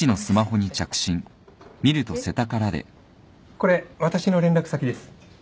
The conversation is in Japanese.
これ私の連絡先です。